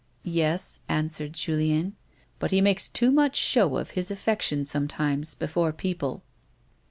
" Yes," answered Julien ; "but he makes too much show of his affection, sometimes, before people."